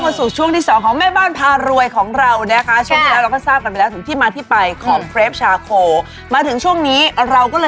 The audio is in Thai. ค่อยมาสู่ช่วงที่๒ของแม่บ้านพารวยของเรานะคะ